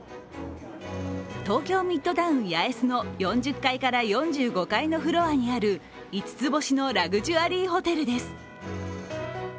東京ミッドタウン八重洲の４０階から４５階のフロアにある五つ星のラグジュアリーホテルです。